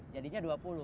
jadinya dua puluh